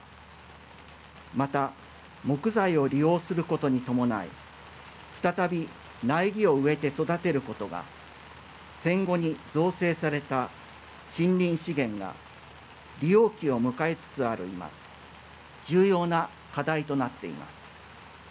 また、木材を利用することに伴い再び、苗木を植えて育てることが戦後に造成された森林資源が利用期を迎えつつある今重要な課題となっています。